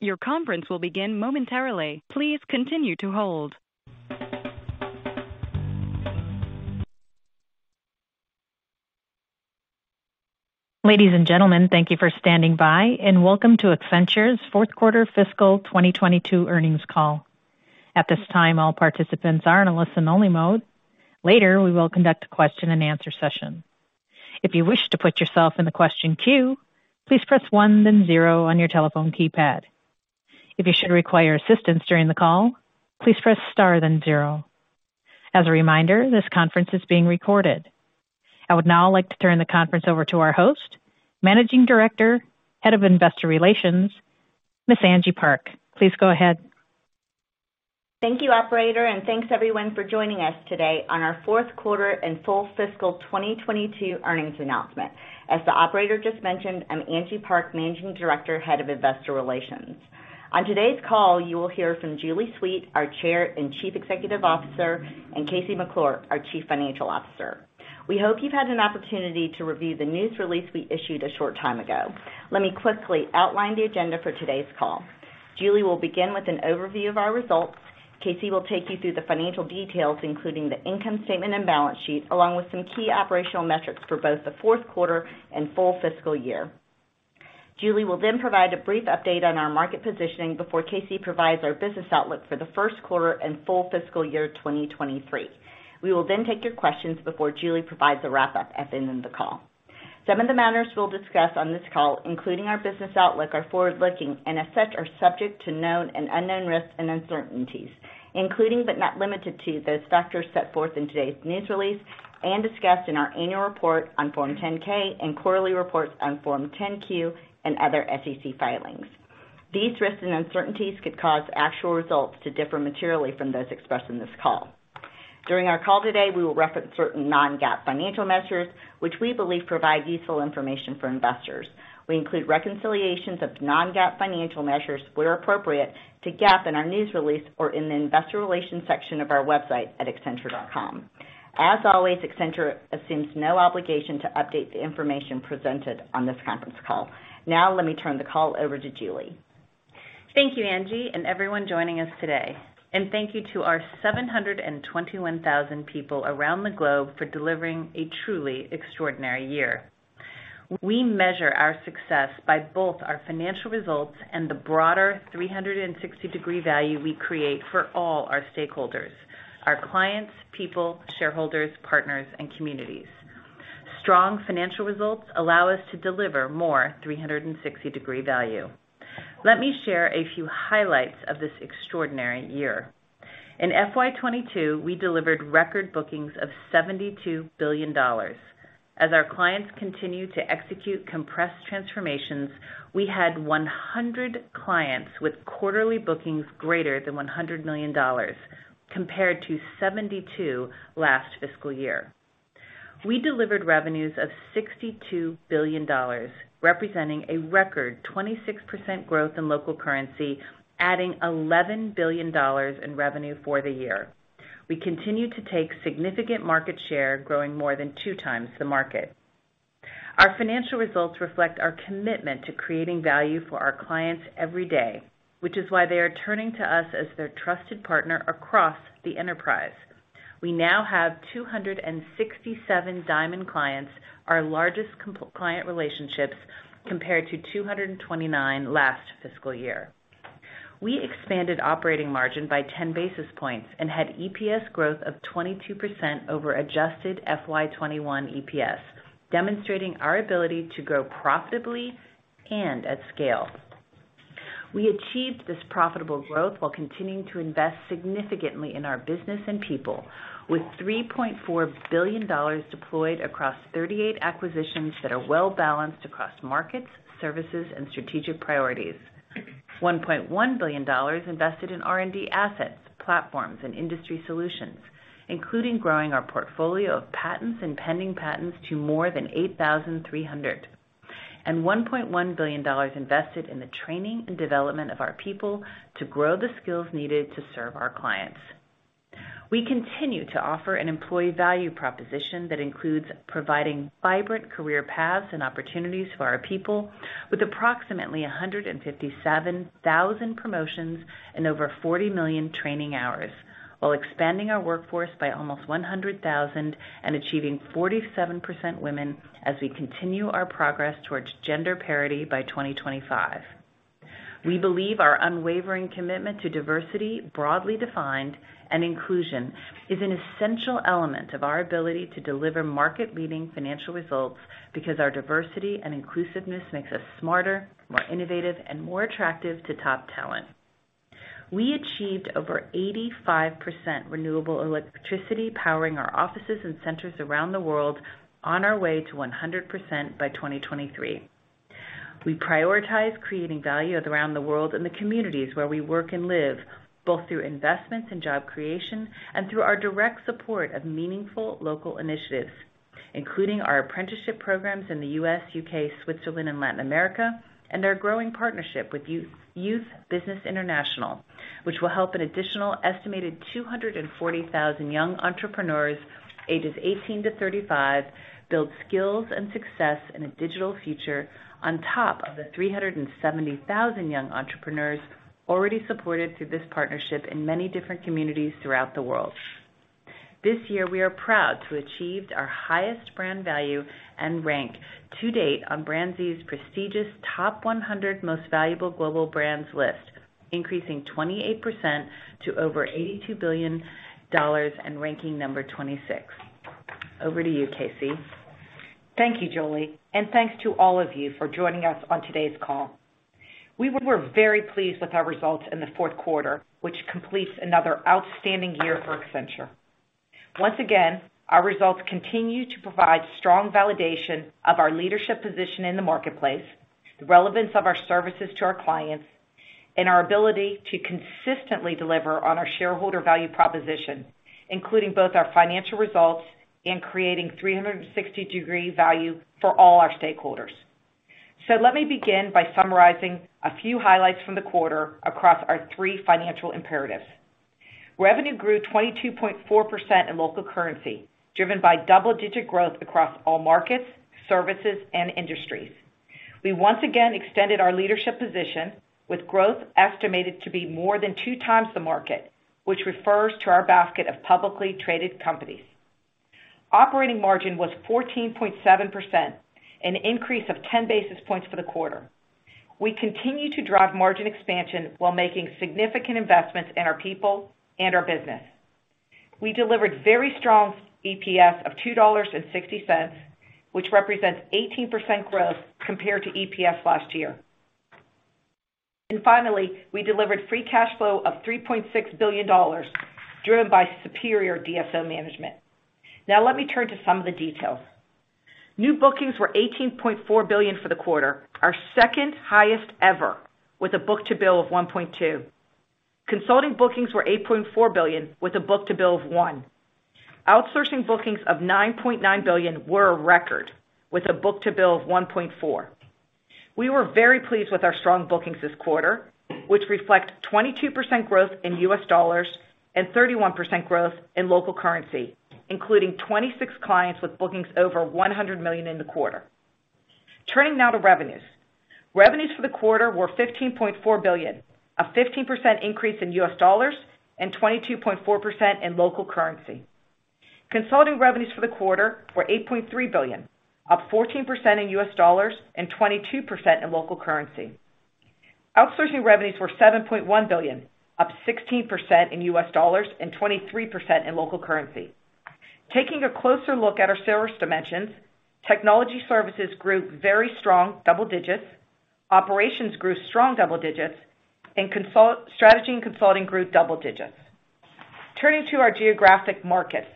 Ladies and gentlemen, thank you for standing by and welcome to Accenture's Q4 fiscal 2022 earnings call. At this time, all participants are in a listen only mode. Later, we will conduct a question and answer session. If you wish to put yourself in the question queue, please press one then zero on your telephone keypad. If you should require assistance during the call, please press star then zero. As a reminder, this conference is being recorded. I would now like to turn the conference over to our host, Managing Director, Head of Investor Relations, Ms. Angie Park. Please go ahead. Thank you, Operator, and thanks everyone for joining us today on our Q4 and full fiscal 2022 earnings announcement. As the operator just mentioned, I'm Angie Park, Managing Director, Head of Investor Relations. On today's call, you will hear from Julie Sweet, our Chair and Chief Executive Officer, and KC McClure, our Chief Financial Officer. We hope you've had an opportunity to review the news release we issued a short time ago. Let me quickly outline the agenda for today's call. Julie will begin with an overview of our results. KC will take you through the financial details, including the income statement and balance sheet, along with some key operational metrics for both the Q4 and full fiscal year. Julie will then provide a brief update on our market positioning before KC provides our business outlook for the Q1 and full fiscal year 2023. We will then take your questions before Julie provides a wrap up at the end of the call. Some of the matters we'll discuss on this call, including our business outlook, are forward-looking and as such, are subject to known and unknown risks and uncertainties, including but not limited to those factors set forth in today's news release and discussed in our annual report on Form 10-K and quarterly reports on Form 10-Q and other SEC filings. These risks and uncertainties could cause actual results to differ materially from those expressed in this call. During our call today, we will reference certain non-GAAP financial measures which we believe provide useful information for investors. We include reconciliations of non-GAAP financial measures where appropriate to GAAP in our news release or in the investor relations section of our website at accenture.com. As always, Accenture assumes no obligation to update the information presented on this conference call. Now let me turn the call over to Julie. Thank you, Angie, and everyone joining us today. Thank you to our 721,000 people around the globe for delivering a truly extraordinary year. We measure our success by both our financial results and the broader 360-degree value we create for all our stakeholders, our clients, people, shareholders, partners, and communities. Strong financial results allow us to deliver more 360-degree value. Let me share a few highlights of this extraordinary year. In FY 2022, we delivered record bookings of $72 billion. As our clients continue to execute compressed transformations, we had 100 clients with quarterly bookings greater than $100 million compared to 72 last fiscal year. We delivered revenues of $62 billion, representing a record 26% growth in local currency, adding $11 billion in revenue for the year. We continue to take significant market share, growing more than 2x the market. Our financial results reflect our commitment to creating value for our clients every day, which is why they are turning to us as their trusted partner across the enterprise. We now have 267 diamond clients, our largest client relationships, compared to 229 last fiscal year. We expanded operating margin by 10 basis points and had EPS growth of 22% over adjusted FY 2021 EPS, demonstrating our ability to grow profitably and at scale. We achieved this profitable growth while continuing to invest significantly in our business and people with $3.4 billion deployed across 38 acquisitions that are well balanced across markets, services, and strategic priorities. $1.1 billion invested in R&D assets, platforms and industry solutions, including growing our portfolio of patents and pending patents to more than 8,300. $1.1 billion invested in the training and development of our people to grow the skills needed to serve our clients. We continue to offer an employee value proposition that includes providing vibrant career paths and opportunities for our people with approximately 157,000 promotions and over 40 million training hours, while expanding our workforce by almost 100,000 and achieving 47% women as we continue our progress towards gender parity by 2025. We believe our unwavering commitment to diversity, broadly defined, and inclusion is an essential element of our ability to deliver market leading financial results because our diversity and inclusiveness makes us smarter, more innovative and more attractive to top talent. We achieved over 85% renewable electricity powering our offices and centers around the world on our way to 100% by 2023. We prioritize creating value around the world in the communities where we work and live, both through investments in job creation and through our direct support of meaningful local initiatives, including our apprenticeship programs in the U.S., U.K., Switzerland and Latin America, and our growing partnership with Youth Business International, which will help an additional estimated 240,000 young entrepreneurs, ages 18-35, build skills and success in a digital future on top of the 370,000 young entrepreneurs already supported through this partnership in many different communities throughout the world. This year, we are proud to achieved our highest brand value and rank to date on BrandZ's prestigious Top 100 Most Valuable Global Brands list, increasing 28% to over $82 billion and ranking number 26. Over to you, KC. Thank you, Julie, and thanks to all of you for joining us on today's call. We were very pleased with our results in the Q4, which completes another outstanding year for Accenture. Once again, our results continue to provide strong validation of our leadership position in the marketplace, the relevance of our services to our clients, and our ability to consistently deliver on our shareholder value proposition, including both our financial results and creating 360-degree value for all our stakeholders. Let me begin by summarizing a few highlights from the quarter across our three financial imperatives. Revenue grew 22.4% in local currency, driven by double-digit growth across all markets, services and industries. We once again extended our leadership position with growth estimated to be more than 2x the market, which refers to our basket of publicly traded companies. Operating margin was 14.7%, an increase of 10 basis points for the quarter. We continue to drive margin expansion while making significant investments in our people and our business. We delivered very strong EPS of $2.60, which represents 18% growth compared to EPS last year. Finally, we delivered free cash flow of $3.6 billion, driven by superior DSO management. Now let me turn to some of the details. New bookings were $18.4 billion for the quarter, our second-highest ever, with a book-to-bill of 1.2. Consulting bookings were $8.4 billion, with a book-to-bill of one. Outsourcing bookings of $9.9 billion were a record, with a book-to-bill of 1.4. We were very pleased with our strong bookings this quarter, which reflect 22% growth in U.S. dollars and 31% growth in local currency, including 26 clients with bookings over $100 million in the quarter. Turning now to revenues. Revenues for the quarter were $15.4 billion, a 15% increase in U.S. dollars and 22.4% in local currency. Consulting revenues for the quarter were $8.3 billion, up 14% in U.S. dollars and 22% in local currency. Outsourcing revenues were $7.1 billion, up 16% in U.S. dollars and 23% in local currency. Taking a closer look at our service dimensions, technology services grew very strong double digits. Operations grew strong double digits and strategy and consulting grew double digits. Turning to our geographic markets.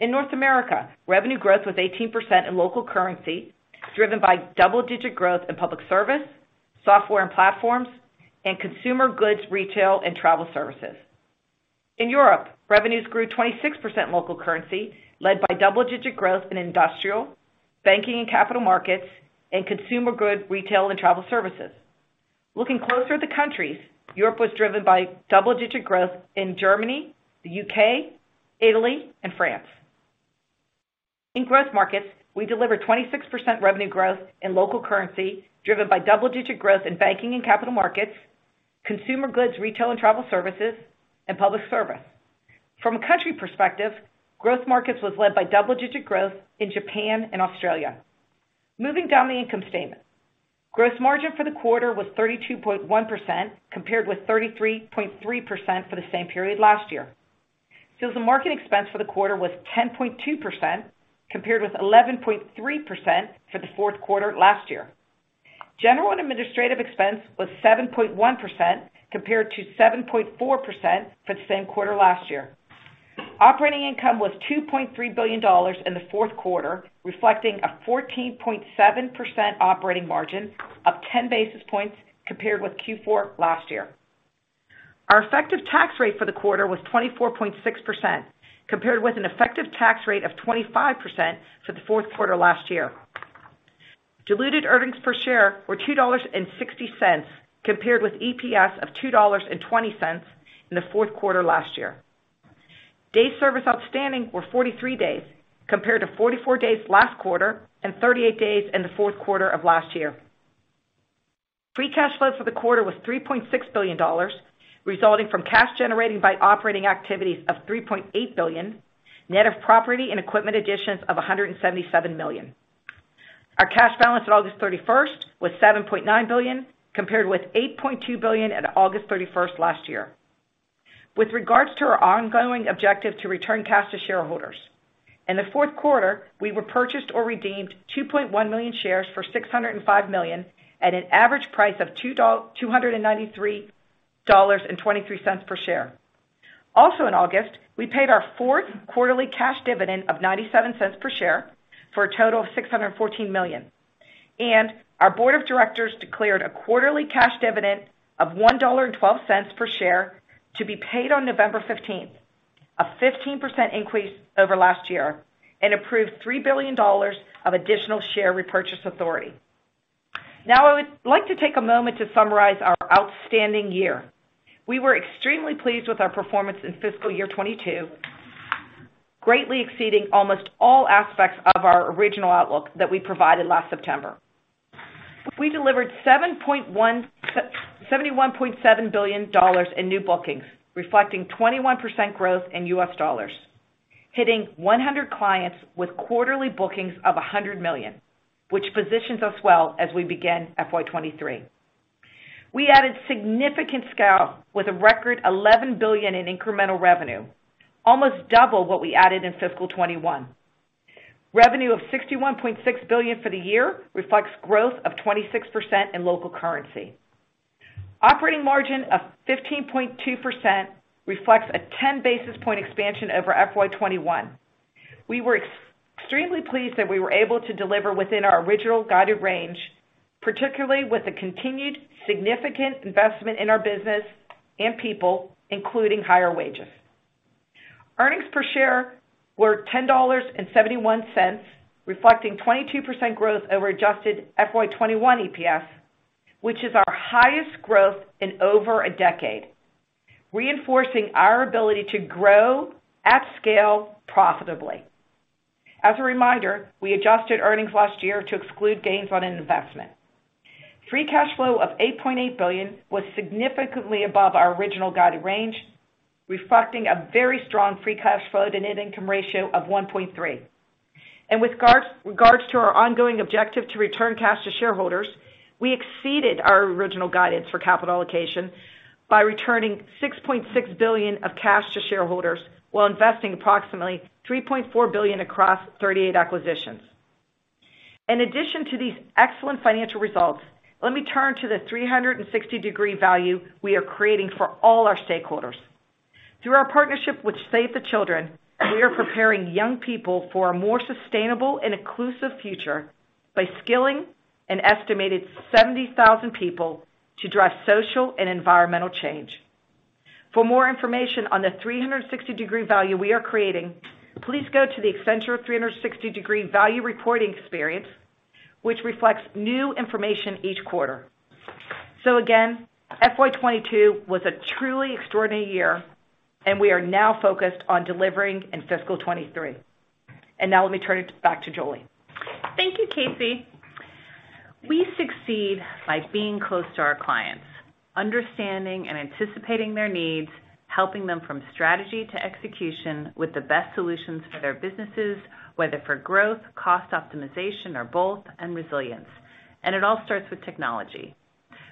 In North America, revenue growth was 18% in local currency, driven by double-digit growth in public service, software and platforms, and consumer goods, retail and travel services. In Europe, revenues grew 26% local currency, led by double-digit growth in industrial, banking and capital markets, and consumer goods, retail and travel services. Looking closer at the countries, Europe was driven by double-digit growth in Germany, the U.K., Italy and France. In growth markets, we delivered 26% revenue growth in local currency, driven by double-digit growth in banking and capital markets, consumer goods, retail and travel services and public service. From a country perspective, growth markets was led by double-digit growth in Japan and Australia. Moving down the income statement. Gross margin for the quarter was 32.1%, compared with 33.3% for the same period last year. Sales and marketing expense for the quarter was 10.2%, compared with 11.3% for the Q4 last year. General and administrative expense was 7.1% compared to 7.4% for the same quarter last year. Operating income was $2.3 billion in the Q4, reflecting a 14.7% operating margin, up 10 basis points compared with Q4 last year. Our effective tax rate for the quarter was 24.6%, compared with an effective tax rate of 25% for the Q4 last year. Diluted earnings per share were $2.60, compared with EPS of $2.20 in the Q4 last year. Days sales outstanding were 43 days, compared to 44 days last quarter and 38 days in the Q4 of last year. Free cash flow for the quarter was $3.6 billion, resulting from cash generated by operating activities of $3.8 billion, net of property and equipment additions of $177 million. Our cash balance at August 31st was $7.9 billion, compared with $8.2 billion at August 31st last year. With regards to our ongoing objective to return cash to shareholders, in the Q4, we repurchased or redeemed 2.1 million shares for $605 million at an average price of $293.23 per share. Also in August, we paid our Q4ly cash dividend of $0.97 per share for a total of $614 million. Our board of directors declared a quarterly cash dividend of $1.12 per share to be paid on November 15th, a 15% increase over last year, and approved $3 billion of additional share repurchase authority. Now, I would like to take a moment to summarize our outstanding year. We were extremely pleased with our performance in fiscal year 2022, greatly exceeding almost all aspects of our original outlook that we provided last September. We delivered $71.7 billion in new bookings, reflecting 21% growth in U.S. dollars, hitting 100 clients with quarterly bookings of $100 million, which positions us well as we begin FY 2023. We added significant scale with a record $11 billion in incremental revenue, almost double what we added in fiscal 2021. Revenue of $61.6 billion for the year reflects growth of 26% in local currency. Operating margin of 15.2% reflects a 10 basis points expansion over FY 2021. We were extremely pleased that we were able to deliver within our original guided range, particularly with the continued significant investment in our business and people, including higher wages. Earnings per share were $10.71, reflecting 22% growth over adjusted FY 2021 EPS, which is our highest growth in over a decade, reinforcing our ability to grow at scale profitably. As a reminder, we adjusted earnings last year to exclude gains on an investment. Free cash flow of $8.8 billion was significantly above our original guided range, reflecting a very strong free cash flow to net income ratio of 1.3. With regards to our ongoing objective to return cash to shareholders, we exceeded our original guidance for capital allocation by returning $6.6 billion of cash to shareholders while investing approximately $3.4 billion across 38 acquisitions. In addition to these excellent financial results, let me turn to the 360-degree value we are creating for all our stakeholders. Through our partnership with Save the Children, we are preparing young people for a more sustainable and inclusive future by skilling an estimated 70,000 people to drive social and environmental change. For more information on the 360-degree value we are creating, please go to the Accenture 360-degree value reporting experience, which reflects new information each quarter. Again, FY 2022 was a truly extraordinary year, and we are now focused on delivering in fiscal 2023. Now let me turn it back to Julie. Thank you, KC. We succeed by being close to our clients, understanding and anticipating their needs, helping them from strategy to execution with the best solutions for their businesses, whether for growth, cost optimization, or both, and resilience. It all starts with technology.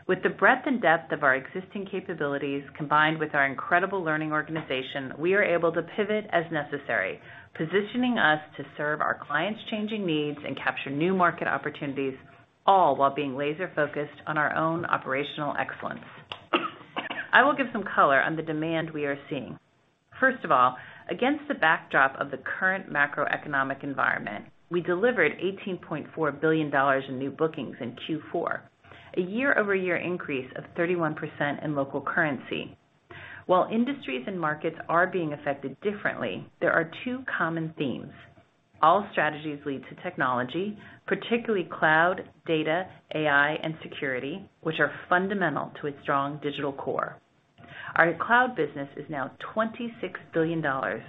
With the breadth and depth of our existing capabilities, combined with our incredible learning organization, we are able to pivot as necessary, positioning us to serve our clients' changing needs and capture new market opportunities, all while being laser-focused on our own operational excellence. I will give some color on the demand we are seeing. First of all, against the backdrop of the current macroeconomic environment, we delivered $18.4 billion in new bookings in Q4, a year-over-year increase of 31% in local currency. While industries and markets are being affected differently, there are two common themes. All strategies lead to technology, particularly cloud, data, AI, and security, which are fundamental to a strong digital core. Our cloud business is now $26 billion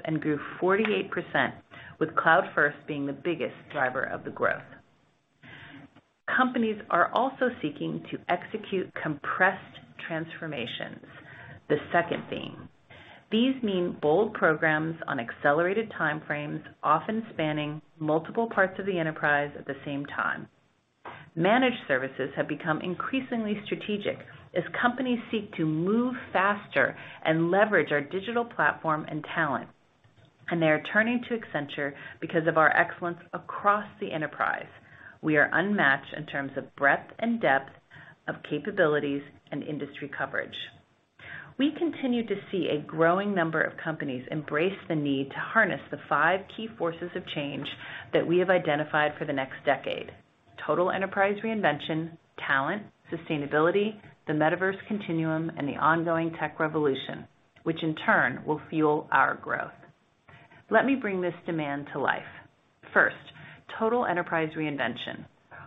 and grew 48%, with cloud-first being the biggest driver of the growth. Companies are also seeking to execute compressed transformations, the second theme. These mean bold programs on accelerated time frames, often spanning multiple parts of the enterprise at the same time. Managed services have become increasingly strategic as companies seek to move faster and leverage our digital platform and talent. They are turning to Accenture because of our excellence across the enterprise. We are unmatched in terms of breadth and depth of capabilities and industry coverage. We continue to see a growing number of companies embrace the need to harness the five key forces of change that we have identified for the next decade, total enterprise reinvention, talent, sustainability, the Metaverse Continuum, and the ongoing tech revolution, which in turn will fuel our growth. Let me bring this demand to life. First, total enterprise reinvention.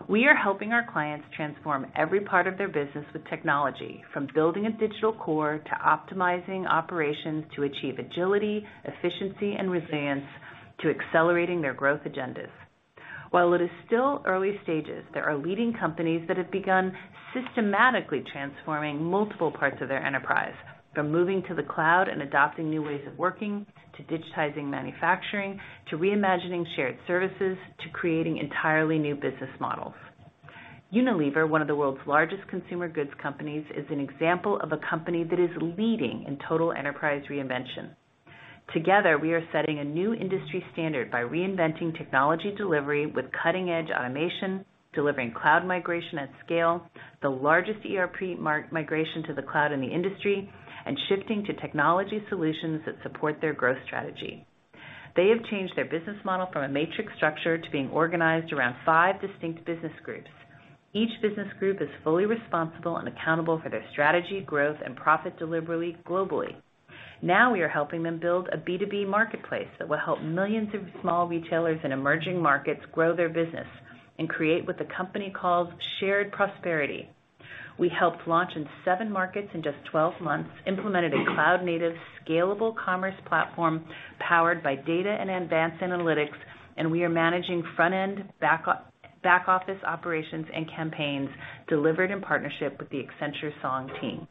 We are helping our clients transform every part of their business with technology, from building a digital core to optimizing operations to achieve agility, efficiency, and resilience, to accelerating their growth agendas. While it is still early stages, there are leading companies that have begun systematically transforming multiple parts of their enterprise, from moving to the cloud and adopting new ways of working, to digitizing manufacturing, to reimagining shared services, to creating entirely new business models. Unilever, one of the world's largest consumer goods companies, is an example of a company that is leading in total enterprise reinvention. Together, we are setting a new industry standard by reinventing technology delivery with cutting-edge automation, delivering cloud migration at scale, the largest ERP migration to the cloud in the industry, and shifting to technology solutions that support their growth strategy. They have changed their business model from a matrix structure to being organized around five distinct business groups. Each business group is fully responsible and accountable for their strategy, growth, and profit deliberately globally. Now we are helping them build a B2B marketplace that will help millions of small retailers in emerging markets grow their business and create what the company calls shared prosperity. We helped launch in seven markets in just 12 months, implemented a cloud-native scalable commerce platform powered by data and advanced analytics, and we are managing front-end, back office operations and campaigns delivered in partnership with the Accenture Song team.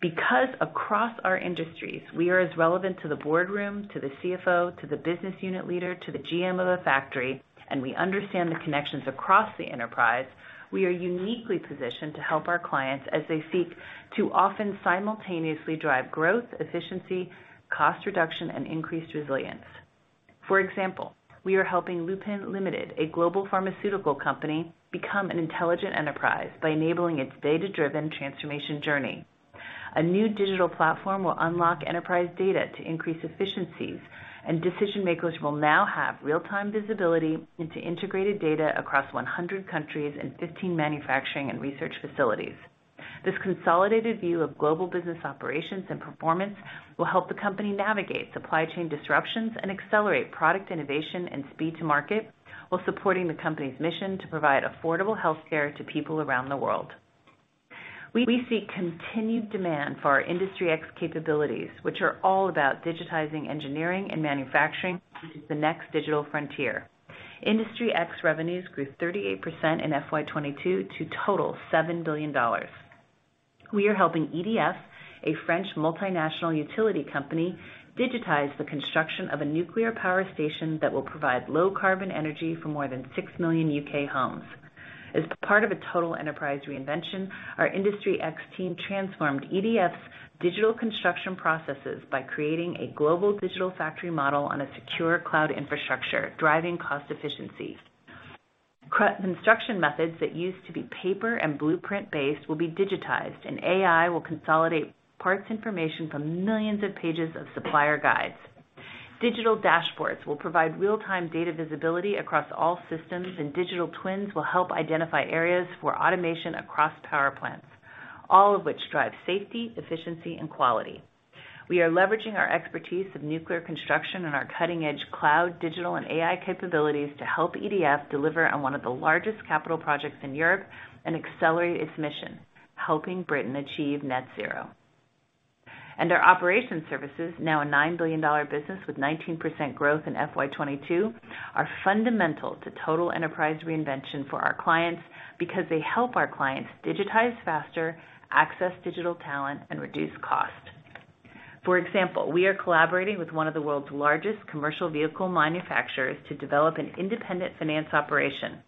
Because across our industries, we are as relevant to the boardroom, to the CFO, to the business unit leader, to the GM of a factory, and we understand the connections across the enterprise, we are uniquely positioned to help our clients as they seek to often simultaneously drive growth, efficiency, cost reduction, and increased resilience. For example, we are helping Lupin Limited, a global pharmaceutical company, become an intelligent enterprise by enabling its data-driven transformation journey. A new digital platform will unlock enterprise data to increase efficiencies, and decision-makers will now have real-time visibility into integrated data across 100 countries and 15 manufacturing and research facilities. This consolidated view of global business operations and performance will help the company navigate supply chain disruptions and accelerate product innovation and speed to market while supporting the company's mission to provide affordable health care to people around the world. We see continued demand for our Industry X capabilities, which are all about digitizing engineering and manufacturing, which is the next digital frontier. Industry X revenues grew 38% in FY 2022 to total $7 billion. We are helping EDF, a French multinational utility company, digitize the construction of a nuclear power station that will provide low-carbon energy for more than 6 million U.K. homes. As part of a total enterprise reinvention, our Industry X team transformed EDF's digital construction processes by creating a global digital factory model on a secure cloud infrastructure, driving cost efficiencies. Construction methods that used to be paper and blueprint-based will be digitized, and AI will consolidate parts information from millions of pages of supplier guides. Digital dashboards will provide real-time data visibility across all systems, and digital twins will help identify areas for automation across power plants, all of which drive safety, efficiency, and quality. We are leveraging our expertise of nuclear construction and our cutting-edge cloud, digital, and AI capabilities to help EDF deliver on one of the largest capital projects in Europe and accelerate its mission, helping Britain achieve net zero. Our operations services, now a $9 billion business with 19% growth in FY 2022, are fundamental to total enterprise reinvention for our clients because they help our clients digitize faster, access digital talent, and reduce cost. For example, we are collaborating with one of the world's largest commercial vehicle manufacturers to develop an independent finance operation,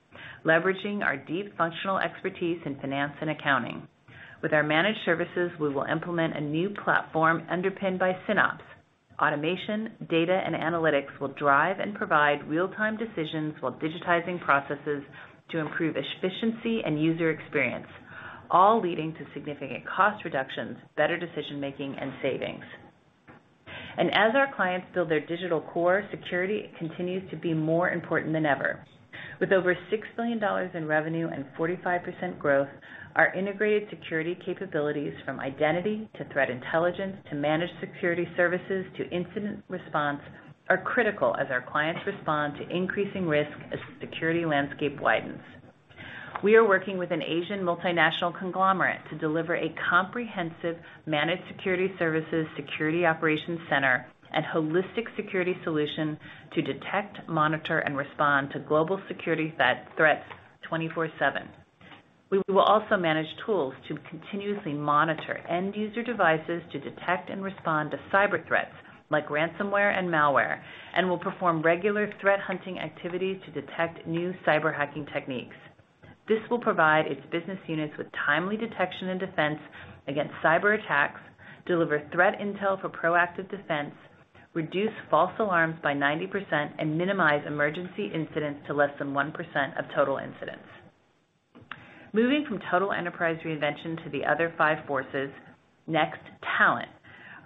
leveraging our deep functional expertise in finance and accounting. With our managed services, we will implement a new platform underpinned by SynOps. Automation, data, and analytics will drive and provide real-time decisions while digitizing processes to improve efficiency and user experience, all leading to significant cost reductions, better decision-making, and savings. As our clients build their digital core, security continues to be more important than ever. With over $6 billion in revenue and 45% growth, our integrated security capabilities, from identity to threat intelligence to managed security services to incident response, are critical as our clients respond to increasing risk as the security landscape widens. We are working with an Asian multinational conglomerate to deliver a comprehensive managed security services security operations center and holistic security solution to detect, monitor, and respond to global security threats 24/7. We will also manage tools to continuously monitor end-user devices to detect and respond to cyber threats like ransomware and malware, and we'll perform regular threat hunting activities to detect new cyber hacking techniques. This will provide its business units with timely detection and defense against cyberattacks, deliver threat intel for proactive defense, reduce false alarms by 90%, and minimize emergency incidents to less than 1% of total incidents. Moving from total enterprise reinvention to the other five forces, next, talent.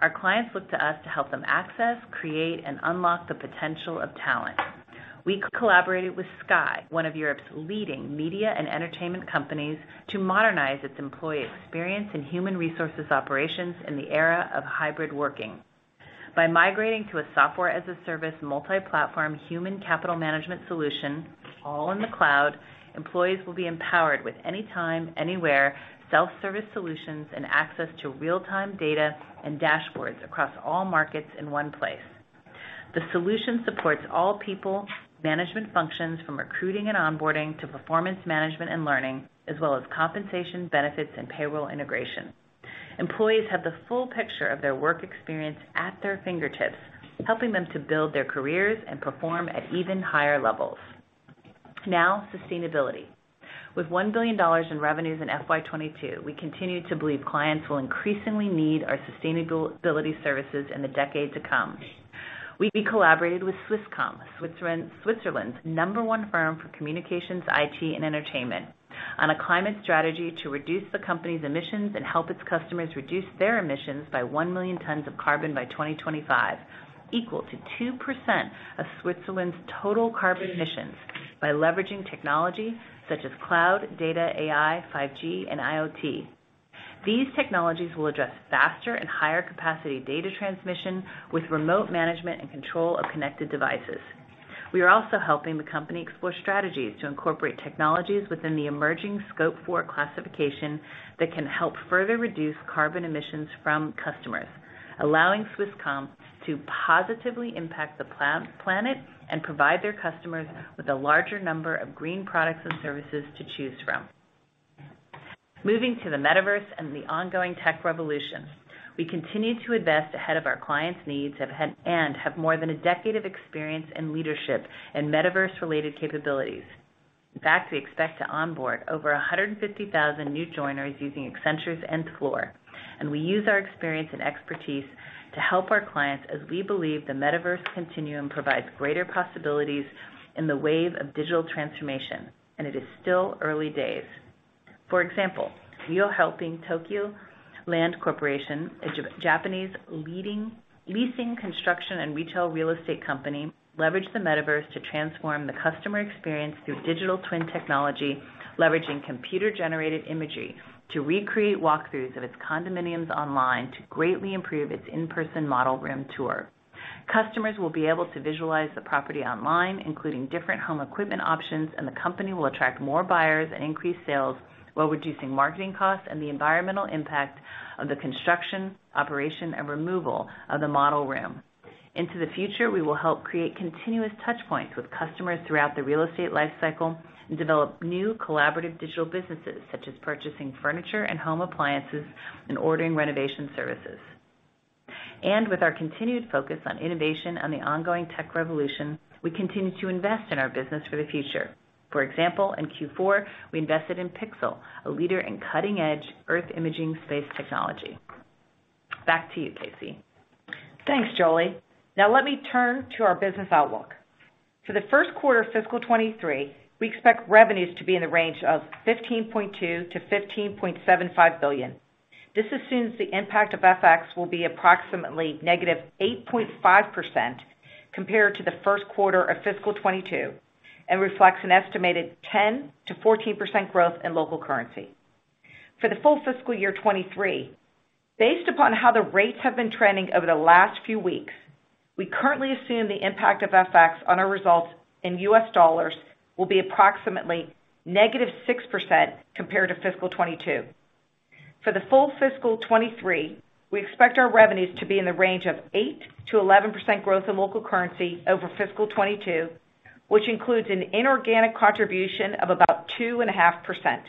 Our clients look to us to help them access, create, and unlock the potential of talent. We collaborated with Sky, one of Europe's leading media and entertainment companies, to modernize its employee experience in human resources operations in the era of hybrid working. By migrating to a software-as-a-service multi-platform human capital management solution, all in the cloud, employees will be empowered with anytime, anywhere self-service solutions and access to real-time data and dashboards across all markets in one place. The solution supports all people management functions from recruiting and onboarding to performance management and learning, as well as compensation, benefits, and payroll integration. Employees have the full picture of their work experience at their fingertips, helping them to build their careers and perform at even higher levels. Now, sustainability. With $1 billion in revenues in FY 2022, we continue to believe clients will increasingly need our sustainability services in the decade to come. We collaborated with Swisscom, Switzerland's number one firm for communications, IT, and entertainment, on a climate strategy to reduce the company's emissions and help its customers reduce their emissions by 1 million tons of carbon by 2025, equal to 2% of Switzerland's total carbon emissions by leveraging technology such as cloud, data, AI, 5G, and IoT. These technologies will address faster and higher capacity data transmission with remote management and control of connected devices. We are also helping the company explore strategies to incorporate technologies within the emerging scope for classification that can help further reduce carbon emissions from customers, allowing Swisscom to positively impact the planet and provide their customers with a larger number of green products and services to choose from. Moving to the Metaverse and the ongoing tech revolution, we continue to invest ahead of our clients' needs and have more than a decade of experience in leadership and Metaverse-related capabilities. In fact, we expect to onboard over 150,000 new joiners using Accenture's Nth Floor, and we use our experience and expertise to help our clients as we believe the Metaverse Continuum provides greater possibilities in the wave of digital transformation, and it is still early days. For example, we are helping Tokyu Land Corporation, a Japanese leading leasing, construction, and retail real estate company, leverage the Metaverse to transform the customer experience through digital twin technology, leveraging computer-generated imagery to recreate walkthroughs of its condominiums online to greatly improve its in-person model room tour. Customers will be able to visualize the property online, including different home equipment options, and the company will attract more buyers and increase sales while reducing marketing costs and the environmental impact of the construction, operation, and removal of the model room. Into the future, we will help create continuous touchpoints with customers throughout the real estate life cycle and develop new collaborative digital businesses such as purchasing furniture and home appliances and ordering renovation services. With our continued focus on innovation on the ongoing tech revolution, we continue to invest in our business for the future. For example, in Q4, we invested in Pixxel, a leader in cutting-edge Earth imaging space technology. Back to you, KC. Thanks, Julie. Now let me turn to our business outlook. For the Q1 of fiscal 2023, we expect revenues to be in the range of $15.2 billion-$15.75 billion. This assumes the impact of FX will be approximately -8.5% compared to the Q1 of fiscal 2022 and reflects an estimated 10%-14% growth in local currency. For the full fiscal year 2023, based upon how the rates have been trending over the last few weeks, we currently assume the impact of FX on our results in U.S. dollars will be approximately -6% compared to fiscal 2022. For the full fiscal 2023, we expect our revenues to be in the range of 8%-11% growth in local currency over fiscal 2022, which includes an inorganic contribution of about 2.5%.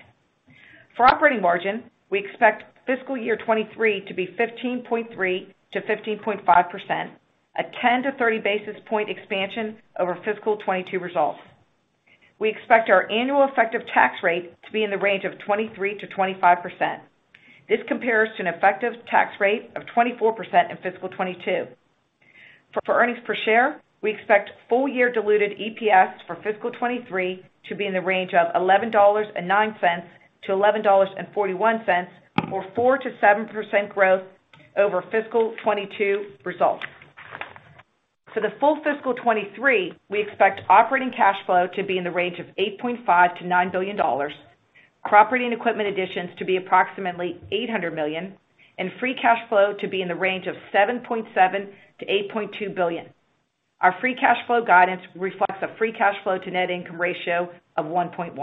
For operating margin, we expect fiscal year 2023 to be 15.3%-15.5%, a 10-30 basis point expansion over fiscal 2022 results. We expect our annual effective tax rate to be in the range of 23%-25%. This compares to an effective tax rate of 24% in fiscal 2022. For earnings per share, we expect full-year diluted EPS for fiscal 2023 to be in the range of $11.09-$11.41 or 4%-7% growth over fiscal 2022 results. For the full fiscal 2023, we expect operating cash flow to be in the range of $8.5-$9 billion, property and equipment additions to be approximately $800 million, and free cash flow to be in the range of $7.7-$8.2 billion. Our free cash flow guidance reflects a free cash flow to net income ratio of 1.1.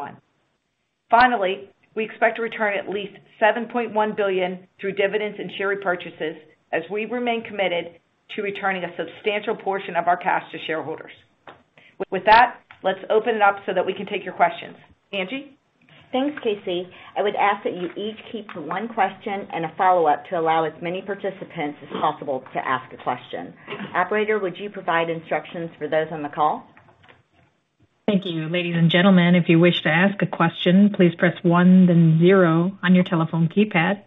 Finally, we expect to return at least $7.1 billion through dividends and share repurchases as we remain committed to returning a substantial portion of our cash to shareholders. With that, let's open it up so that we can take your questions. Angie? Thanks, KC. I would ask that you each keep to one question and a follow-up to allow as many participants as possible to ask a question. Operator, would you provide instructions for those on the call? Thank you. Ladies and gentlemen, if you wish to ask a question, please press one then zero on your telephone keypad.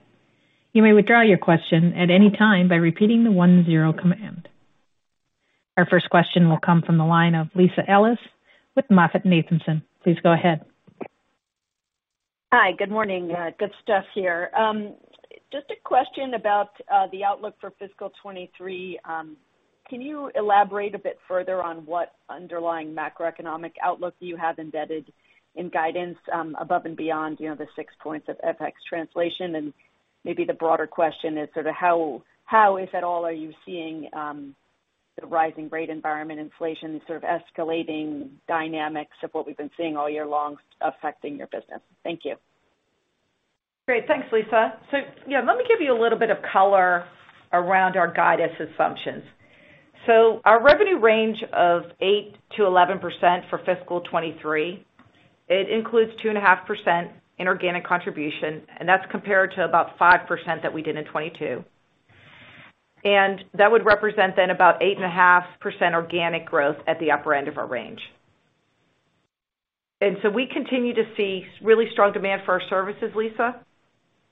You may withdraw your question at any time by repeating the one-zero command. Our first question will come from the line of Lisa Ellis with MoffettNathanson. Please go ahead. Hi. Good morning. Good stuff here. Just a question about the outlook for fiscal 2023. Can you elaborate a bit further on what underlying macroeconomic outlook you have embedded in guidance, above and beyond, you know, the six points of FX translation and maybe the broader question is sort of how, if at all, are you seeing the rising rate environment inflation sort of escalating dynamics of what we've been seeing all year long affecting your business? Thank you. Great. Thanks, Lisa. Yeah, let me give you a little bit of color around our guidance assumptions. Our revenue range of 8%-11% for fiscal 2023, it includes 2.5% inorganic contribution, and that's compared to about 5% that we did in 2022. That would represent then about 8.5% organic growth at the upper end of our range. We continue to see so really strong demand for our services, Lisa.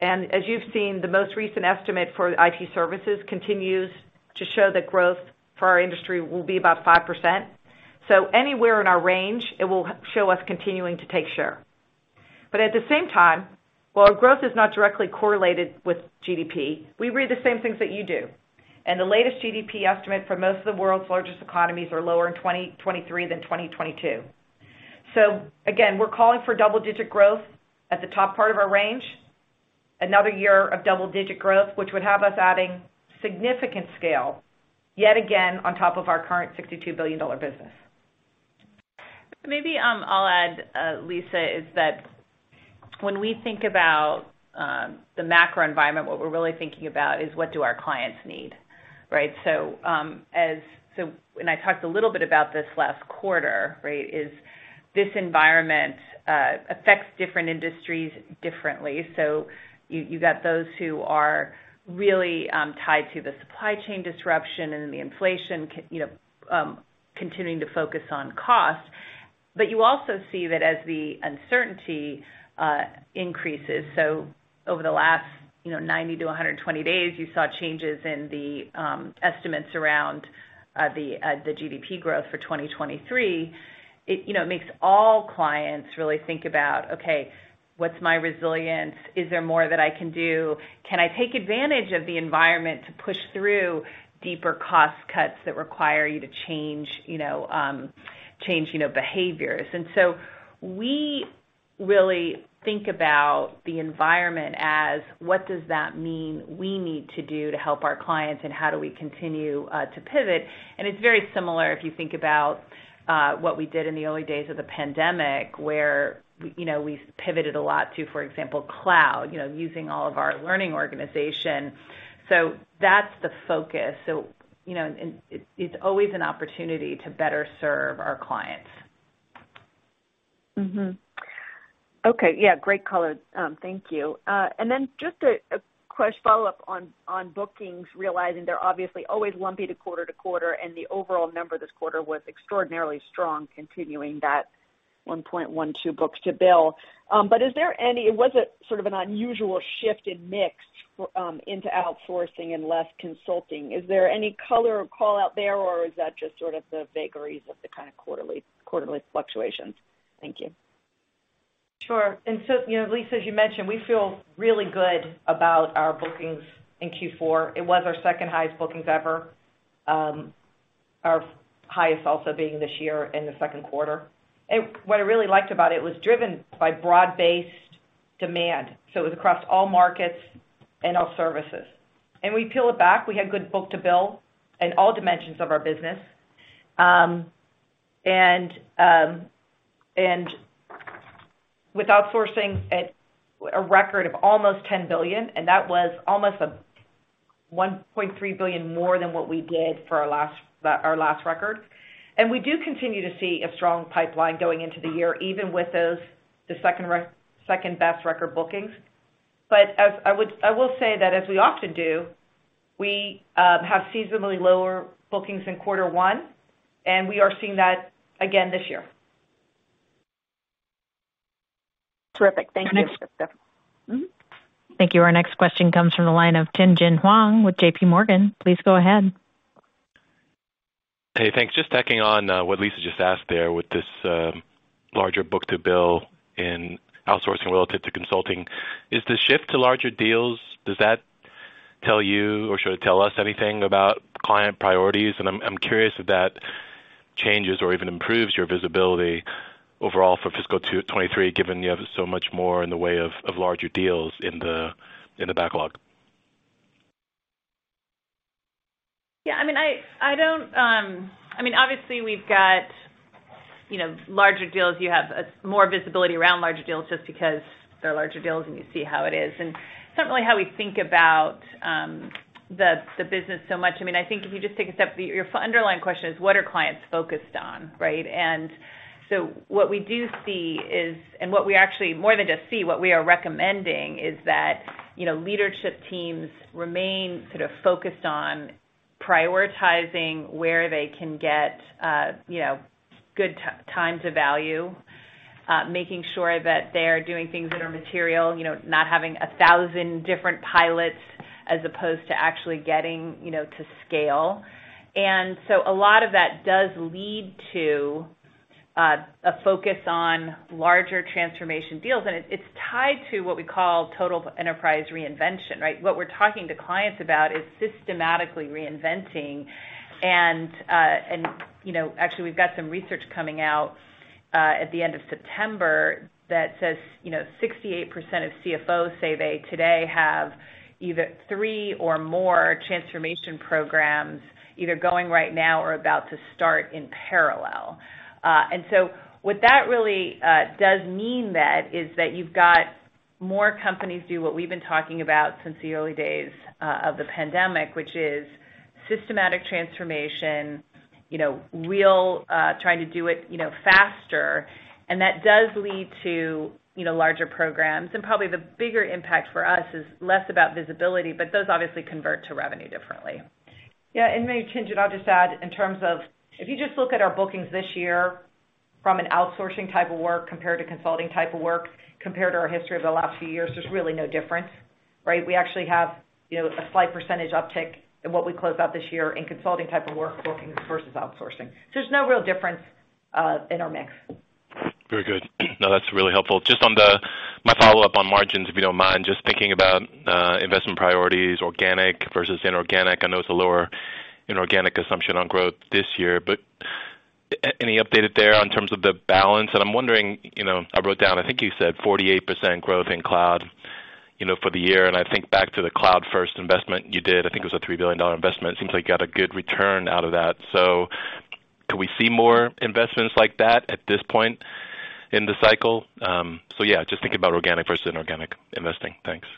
As you've seen, the most recent estimate for IT services continues to show that growth for our industry will be about 5%. Anywhere in our range, it will show us continuing to take share. At the same time, while our growth is not directly correlated with GDP, we read the same things that you do. The latest GDP estimate for most of the world's largest economies are lower in 2023 than 2022. Again, we're calling for double-digit growth at the top part of our range, another year of double-digit growth, which would have us adding significant scale yet again on top of our current $62 billion business. Maybe I'll add, Lisa. Is that when we think about the macro environment, what we're really thinking about is what do our clients need, right? When I talked a little bit about this last quarter, right? This environment affects different industries differently. You got those who are really tied to the supply chain disruption and the inflation, you know, continuing to focus on cost. You also see that as the uncertainty increases, so over the last, you know, 90days-120 days, you saw changes in the estimates around the GDP growth for 2023. It, you know, makes all clients really think about, okay, what's my resilience? Is there more that I can do? Can I take advantage of the environment to push through deeper cost cuts that require you to change, you know, behaviors? We really think about the environment as what does that mean we need to do to help our clients, and how do we continue to pivot? It's very similar if you think about what we did in the early days of the pandemic, where we, you know, we pivoted a lot to, for example, cloud, you know, using all of our learning organization. That's the focus. You know, it's always an opportunity to better serve our clients. Okay. Yeah, great color. Thank you. Just a follow-up on bookings, realizing they're obviously always lumpy quarter to quarter, and the overall number this quarter was extraordinarily strong, continuing that 1.2 books to bill. Was it sort of an unusual shift in mix into outsourcing and less consulting? Is there any color or call out there, or is that just sort of the vagaries of the kind of quarterly fluctuations? Thank you. Sure. You know, Lisa, as you mentioned, we feel really good about our bookings in Q4. It was our second-highest bookings ever, our highest also being this year in the Q2. What I really liked about it was driven by broad-based demand, so it was across all markets and all services. We peel it back, we had good book-to-bill in all dimensions of our business. With outsourcing at a record of almost $10 billion, and that was almost $1.3 billion more than what we did for our last record. We do continue to see a strong pipeline going into the year, even with those, the second-best record bookings. I will say that as we often do, we have seasonally lower bookings in 1/4, and we are seeing that again this year. Terrific. Thank you. Next. Mm-hmm. Thank you. Our next question comes from the line of Tien-Tsin Huang with J.P. Morgan. Please go ahead. Hey, thanks. Just tacking on what Lisa just asked there with this larger book-to-bill in outsourcing relative to consulting. Is the shift to larger deals, does that tell you or should it tell us anything about client priorities? I'm curious if that changes or even improves your visibility overall for fiscal 2023, given you have so much more in the way of larger deals in the backlog. Yeah, I mean, I don't. I mean, obviously we've got, you know, larger deals. You have more visibility around larger deals just because they're larger deals, and you see how it is. It's not really how we think about the business so much. I mean, I think if you just take a step, your underlying question is what are clients focused on, right? What we do see is, and what we actually more than just see, what we are recommending is that, you know, leadership teams remain sort of focused on prioritizing where they can get, you know, good time to value, making sure that they're doing things that are material, you know, not having 1,000 different pilots as opposed to actually getting, you know, to scale. A lot of that does lead to a focus on larger transformation deals, and it's tied to what we call total enterprise reinvention, right? What we're talking to clients about is systematically reinventing. You know, actually we've got some research coming out at the end of September that says, you know, 68% of CFOs say they today have either three or more transformation programs either going right now or about to start in parallel. What that really does mean then is that you've got more companies do what we've been talking about since the early days of the pandemic, which is systematic transformation, you know, real, trying to do it, you know, faster. That does lead to larger programs. Probably the bigger impact for us is less about visibility, but those obviously convert to revenue differently. Yeah. Maybe, Tien-Tsin Huang, I'll just add in terms of if you just look at our bookings this year. From an outsourcing type of work compared to consulting type of work, compared to our history of the last few years, there's really no difference, right? We actually have, you know, a slight percentage uptick in what we closed out this year in consulting type of work booking versus outsourcing. There's no real difference in our mix. Very good. No, that's really helpful. Just on my follow-up on margins, if you don't mind, just thinking about investment priorities, organic versus inorganic. I know it's a lower inorganic assumption on growth this year, but any update there in terms of the balance? I'm wondering, you know, I wrote down, I think you said 48% growth in cloud, you know, for the year, and I think back to the cloud-first investment you did. I think it was a $3 billion investment. Seems like you got a good return out of that. Could we see more investments like that at this point in the cycle? Yeah, just thinking about organic versus inorganic investing. Thanks.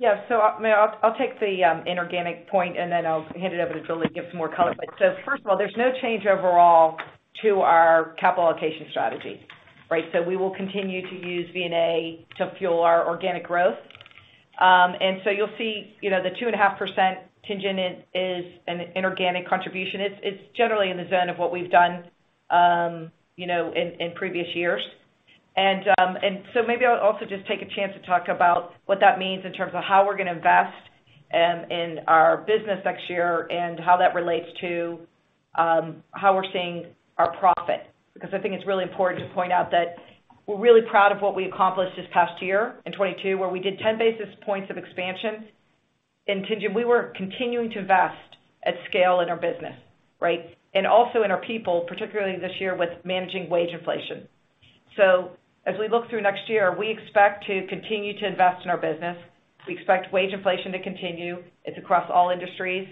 Maybe I'll take the inorganic point, and then I'll hand it over to Julie to give some more color. First of all, there's no change overall to our capital allocation strategy, right? We will continue to use M&A to fuel our organic growth. You'll see, you know, the 2.5% inorganic is an inorganic contribution. It's generally in the zone of what we've done, you know, in previous years. Maybe I would also just take a chance to talk about what that means in terms of how we're gonna invest in our business next year and how that relates to how we're seeing our profit. Because I think it's really important to point out that we're really proud of what we accomplished this past year in 2022, where we did 10 basis points of expansion. In tandem, we were continuing to invest at scale in our business, right? Also in our people, particularly this year with managing wage inflation. As we look through next year, we expect to continue to invest in our business. We expect wage inflation to continue. It's across all industries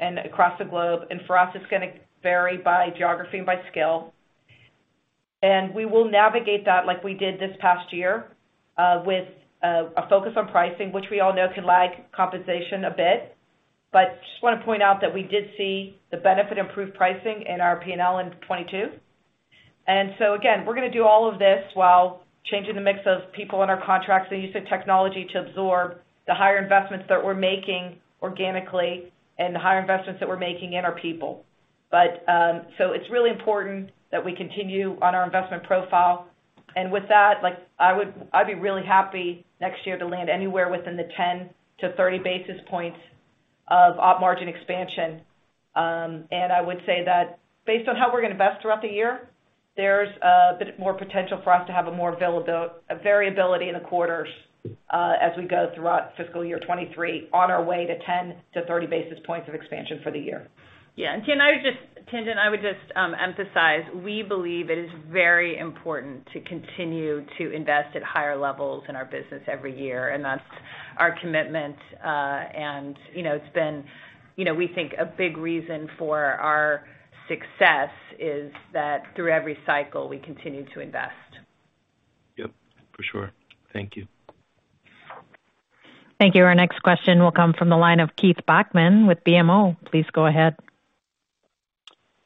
and across the globe. For us, it's gonna vary by geography and by skill. We will navigate that like we did this past year, with a focus on pricing, which we all know can lag compensation a bit. Just wanna point out that we did see the benefit of improved pricing in our P&L in 2022. Again, we're gonna do all of this while changing the mix of people in our contracts and use the technology to absorb the higher investments that we're making organically and the higher investments that we're making in our people. It's really important that we continue on our investment profile. With that, like, I'd be really happy next year to land anywhere within the 10-30 basis points of op margin expansion. I would say that based on how we're gonna invest throughout the year, there's a bit more potential for us to have a more variability in the quarters, as we go throughout fiscal year 2023 on our way to 10-30 basis points of expansion for the year. Yeah. Tien-Tsin Huang, I would just emphasize, we believe it is very important to continue to invest at higher levels in our business every year, and that's our commitment. You know, it's been, you know, we think a big reason for our success is that through every cycle, we continue to invest. Yep, for sure. Thank you. Thank you. Our next question will come from the line of Keith Bachman with BMO. Please go ahead.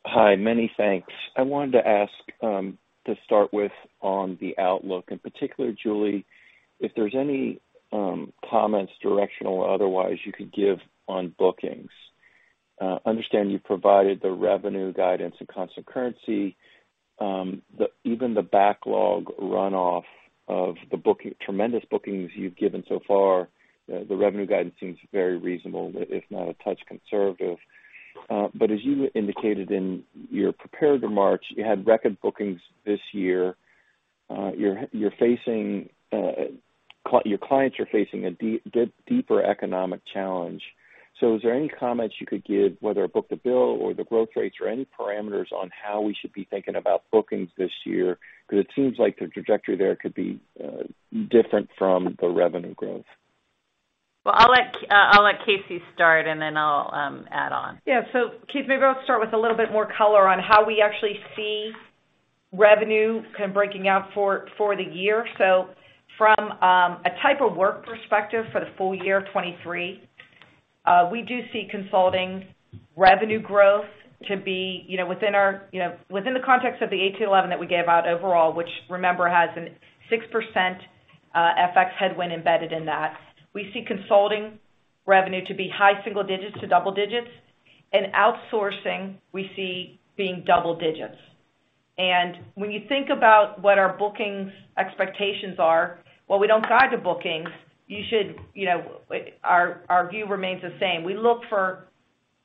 Hi. Many thanks. I wanted to ask, to start with on the outlook, in particular, Julie, if there's any comments, directional or otherwise, you could give on bookings. I understand you provided the revenue guidance and constant currency. Even the backlog runoff of the tremendous bookings you've given so far, the revenue guidance seems very reasonable, if not a touch conservative. As you indicated in your prepared remarks, you had record bookings this year. Your clients are facing a deeper economic challenge. Is there any comments you could give, whether book-to-bill or the growth rates or any parameters on how we should be thinking about bookings this year? Because it seems like the trajectory there could be different from the revenue growth. Well, I'll let K.C. McClure start, and then I'll add on. Yeah. Keith, maybe I'll start with a little bit more color on how we actually see revenue kind of breaking out for the year. From a type of work perspective for the full year 2023, we do see consulting revenue growth to be, you know, within our, you know, within the context of the AT 11 that we gave out overall, which remember has a 6% FX headwind embedded in that. We see consulting revenue to be high single digits to double digits, and outsourcing, we see being double digits. When you think about what our bookings expectations are, while we don't guide to bookings, you should, you know, our view remains the same. We look for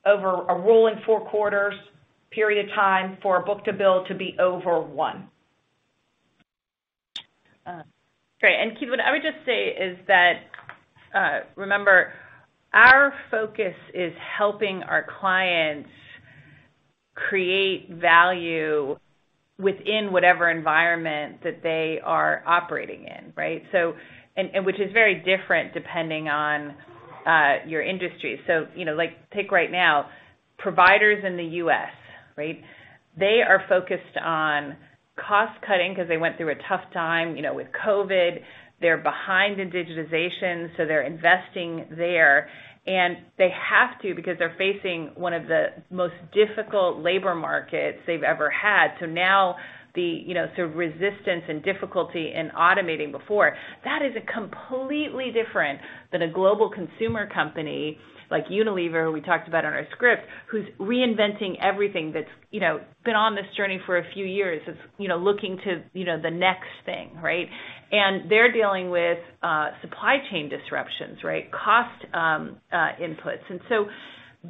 over a rolling Q4 period of time for a book to bill to be over one. Great. Keith, what I would just say is that, remember, our focus is helping our clients create value within whatever environment that they are operating in, right? Which is very different depending on your industry. You know, like take right now, providers in the U.S., right? They are focused on cost cutting because they went through a tough time, you know, with COVID. They're behind in digitization, so they're investing there, and they have to because they're facing one of the most difficult labor markets they've ever had. Now the, you know, sort of resistance and difficulty in automating before, that is a completely different than a global consumer company like Unilever, who we talked about on our script, who's reinventing everything that's, you know, been on this journey for a few years. It's, you know, looking to, you know, the next thing, right? They're dealing with supply chain disruptions, right? Cost inputs.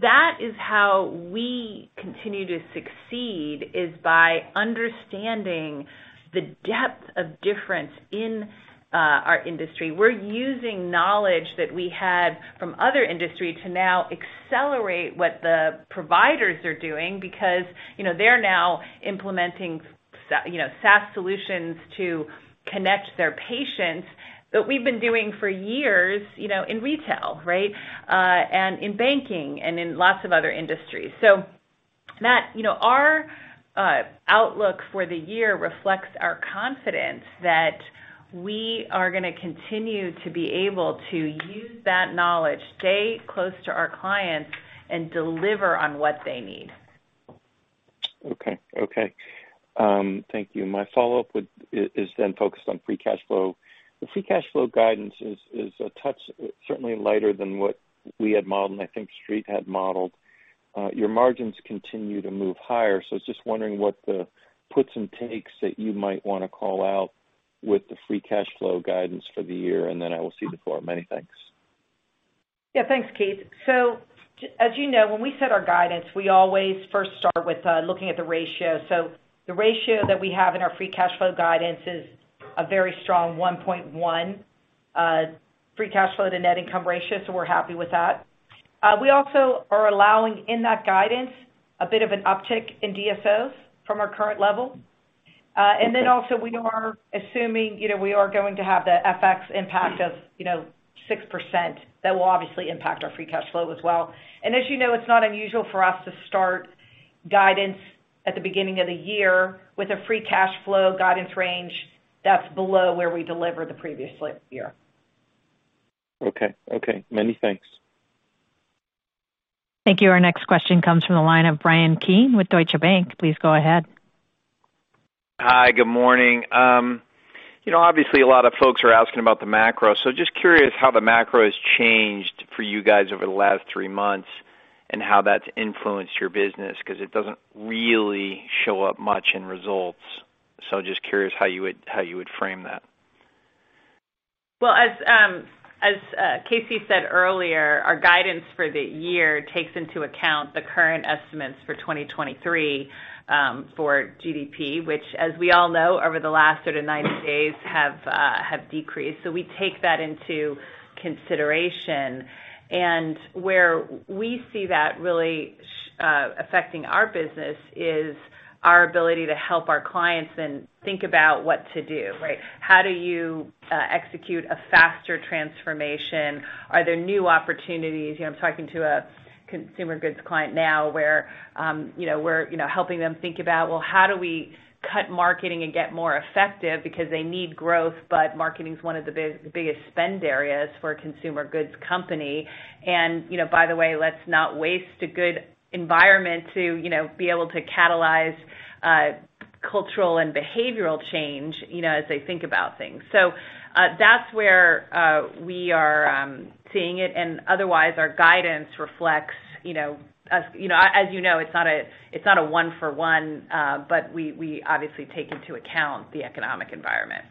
That is how we continue to succeed, is by understanding the depth of difference in our industry. We're using knowledge that we had from other industry to now accelerate what the providers are doing because, you know, they're now implementing SaaS solutions to connect their patients that we've been doing for years, you know, in retail, right? And in banking and in lots of other industries. That you know, our outlook for the year reflects our confidence that we are gonna continue to be able to use that knowledge, stay close to our clients, and deliver on what they need. Okay. Thank you. My follow-up is then focused on free cash flow. The free cash flow guidance is a touch certainly lighter than what we had modeled, and I think Street had modeled. Your margins continue to move higher. I was just wondering what the puts and takes that you might wanna call out with the free cash flow guidance for the year, and then I will cede the floor. Many thanks. Yeah. Thanks, Keith. As you know, when we set our guidance, we always first start with looking at the ratio. The ratio that we have in our free cash flow guidance is a very strong 1.1 free cash flow to net income ratio. We're happy with that. We also are allowing in that guidance a bit of an uptick in DSOs from our current level. Also we are assuming, you know, we are going to have the FX impact of, you know, 6%. That will obviously impact our free cash flow as well. As you know, it's not unusual for us to start guidance at the beginning of the year with a free cash flow guidance range that's below where we delivered the previous year. Okay. Many thanks. Thank you. Our next question comes from the line of Bryan Keane with Deutsche Bank. Please go ahead. Hi, good morning. You know, obviously a lot of folks are asking about the macro, so just curious how the macro has changed for you guys over the last three months and how that's influenced your business 'cause it doesn't really show up much in results. Just curious how you would frame that. Well, as KC said earlier, our guidance for the year takes into account the current estimates for 2023 for GDP, which, as we all know, over the last sort of 90 days have decreased. We take that into consideration. Where we see that really affecting our business is our ability to help our clients and think about what to do, right? How do you execute a faster transformation? Are there new opportunities? You know, I'm talking to a consumer goods client now where, you know, we're helping them think about, well, how do we cut marketing and get more effective because they need growth, but marketing is one of the biggest spend areas for a consumer goods company. You know, by the way, let's not waste a good environment to, you know, be able to catalyze cultural and behavioral change, you know, as they think about things. That's where we are seeing it. Otherwise, our guidance reflects, you know, as you know, it's not a one for one, but we obviously take into account the economic environment.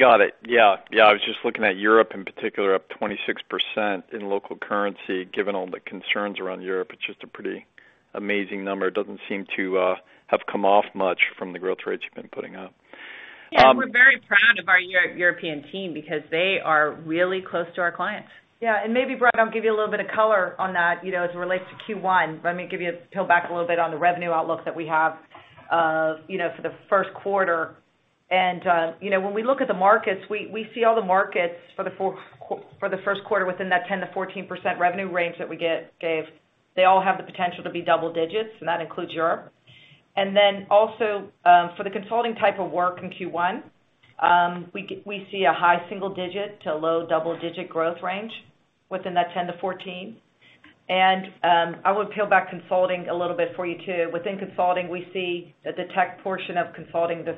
Got it. Yeah. Yeah. I was just looking at Europe in particular, up 26% in local currency. Given all the concerns around Europe, it's just a pretty amazing number. It doesn't seem to have come off much from the growth rates you've been putting up. Yeah. We're very proud of our European team because they are really close to our clients. Yeah. Maybe, Bryan, I'll give you a little bit of color on that, you know, as it relates to Q1. Let me give you a little peel back on the revenue outlook that we have for the Q1. When we look at the markets, we see all the markets for the Q1 within that 10%-14% revenue range that we gave. They all have the potential to be double digits, and that includes Europe. For the consulting type of work in Q1, we see a high single digit to low double digit growth range within that 10%-14%. I would peel back consulting a little bit for you too. Within consulting, we see that the tech portion of consulting, the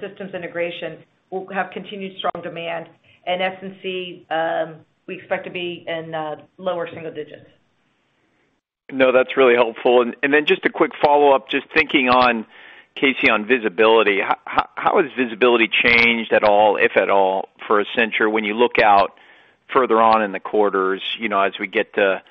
systems integration will have continued strong demand. S&C, we expect to be in lower single digits percentage. No, that's really helpful. Just a quick follow-up, just thinking on, KC, on visibility. How has visibility changed at all, if at all, for Accenture when you look out further on in the quarters? You know, as we get to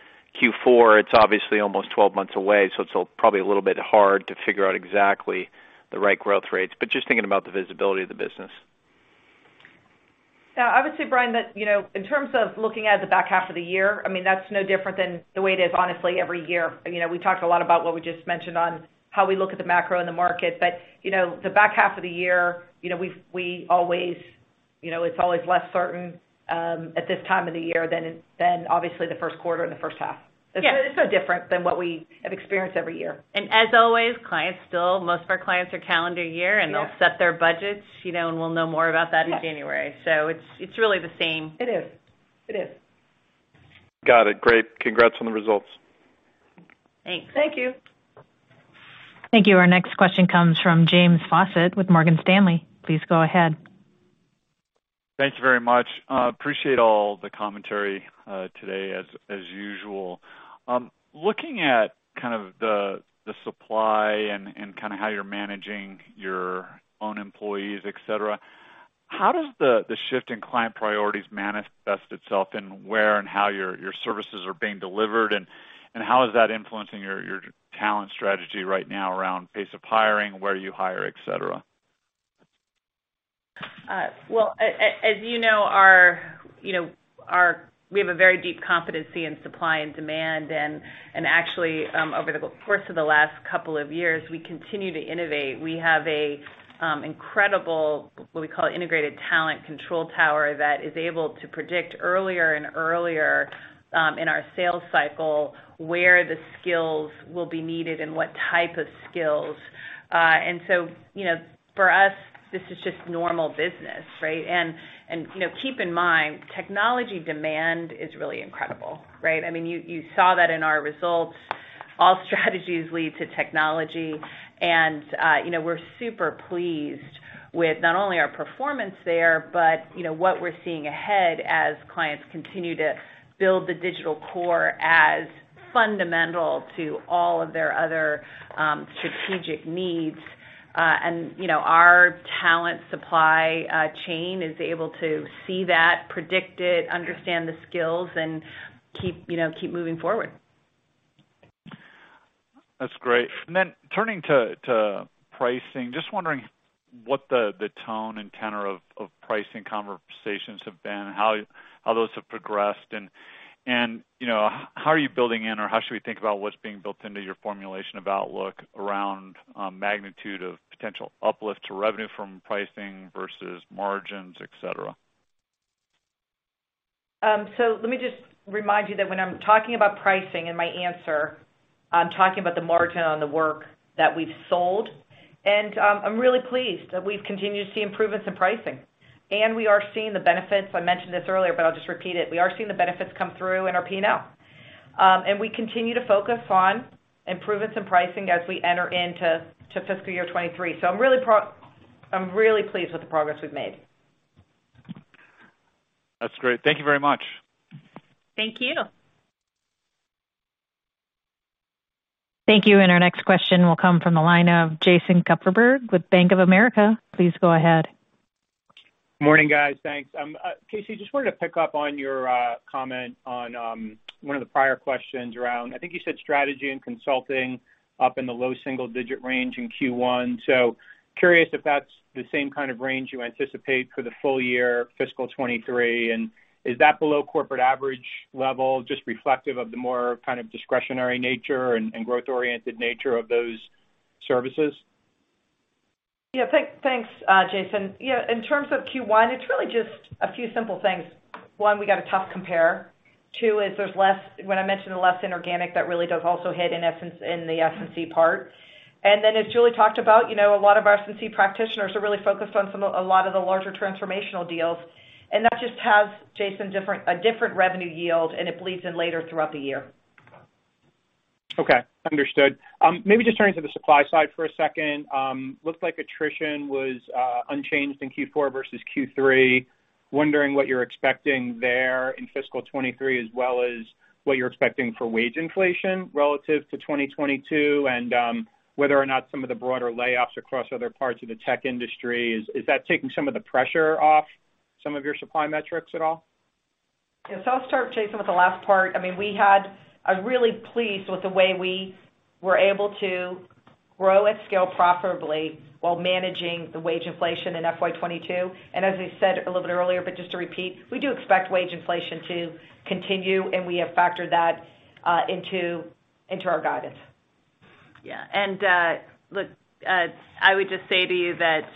Q4, it's obviously almost 12 months away, so it's probably a little bit hard to figure out exactly the right growth rates. Just thinking about the visibility of the business. Yeah. Obviously, Bryan, that, you know, in terms of looking at the back half of the year, I mean, that's no different than the way it is honestly every year. You know, we talked a lot about what we just mentioned on how we look at the macro and the market. You know, the back half of the year, you know, we always. You know, it's always less certain at this time of the year than obviously the Q1 and the H1. Yes. It's no different than what we have experienced every year. As always, most of our clients are calendar year- Yeah They'll set their budgets, you know, and we'll know more about that in January. It's really the same. It is. Got it. Great. Congrats on the results. Thanks. Thank you. Thank you. Our next question comes from James Faucette with Morgan Stanley. Please go ahead. Thanks very much. Appreciate all the commentary today as usual. Looking at kind of the supply and kinda how you're managing your own employees, et cetera, how does the shift in client priorities manifest itself in where and how your services are being delivered? How is that influencing your talent strategy right now around pace of hiring, where you hire, et cetera? Well, as you know, we have a very deep competency in supply and demand. Actually, over the course of the last couple of years, we continue to innovate. We have an incredible, what we call integrated talent control tower that is able to predict earlier and earlier in our sales cycle where the skills will be needed and what type of skills. You know, for us, this is just normal business, right? You know, keep in mind, technology demand is really incredible, right? I mean, you saw that in our results. All strategies lead to technology. You know, we're super pleased with not only our performance there but what we're seeing ahead as clients continue to build the digital core as fundamental to all of their other strategic needs. You know, our talent supply chain is able to see that, predict it, understand the skills, and keep you know moving forward. That's great. Turning to pricing, just wondering what the tone and tenor of pricing conversations have been, how those have progressed. You know, how are you building in or how should we think about what's being built into your formulation of outlook around magnitude of potential uplift to revenue from pricing versus margins, etc. Let me just remind you that when I'm talking about pricing in my answer, I'm talking about the margin on the work that we've sold. I'm really pleased that we've continued to see improvements in pricing. We are seeing the benefits. I mentioned this earlier, but I'll just repeat it. We are seeing the benefits come through in our P&L. We continue to focus on improvements in pricing as we enter fiscal year 2023. I'm really pleased with the progress we've made. That's great. Thank you very much. Thank you. Thank you. Our next question will come from the line of Jason Kupferberg with Bank of America. Please go ahead. Morning, guys. Thanks. Kacy, just wanted to pick up on your comment on one of the prior questions around, I think you said strategy and consulting up in the low single digit range in Q1. Curious if that's the same kind of range you anticipate for the full year fiscal 2023, and is that below corporate average level just reflective of the more kind of discretionary nature and growth-oriented nature of those services? Yeah. Thanks, Jason. Yeah, in terms of Q1, it's really just a few simple things. One, we got a tough compare. Two, when I mentioned less inorganic, that really does also hit in essence in the S&C part. Then as Julie talked about, you know, a lot of our S&C practitioners are really focused on a lot of the larger transformational deals. That just has, Jason, a different revenue yield, and it bleeds in later throughout the year. Okay. Understood. Maybe just turning to the supply side for a second. Looks like attrition was unchanged in Q4 versus Q3. Wondering what you're expecting there in fiscal 2023, as well as what you're expecting for wage inflation relative to 2022, and whether or not some of the broader layoffs across other parts of the tech industry is that taking some of the pressure off some of your supply metrics at all? Yeah. I'll start, Jason, with the last part. I mean, I was really pleased with the way we were able to grow at scale profitably while managing the wage inflation in FY 2022. As I said a little bit earlier, but just to repeat, we do expect wage inflation to continue, and we have factored that into our guidance. Yeah. Look, I would just say to you that